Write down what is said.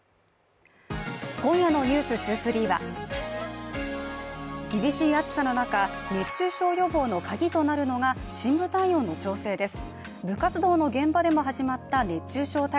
今夜の「ｎｅｗｓ２３」は厳しい暑さの中、熱中症予防の鍵となるのが深部体温の調整です。